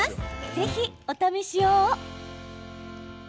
ぜひお試しを。